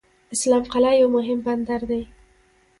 اسلام قلعه یو مهم بندر دی.